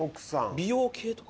美容系とか？